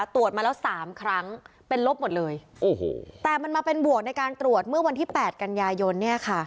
ตรวจมาแล้ว๓ครั้งเป็นลบหมดเลยแต่มันมาเป็นบวกในการตรวจเมื่อวันที่๘กัญญายน